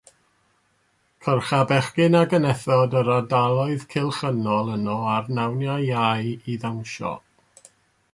Cyrcha bechgyn a genethod yr ardaloedd cylchynol yno ar nawniau Iau i ddawnsio.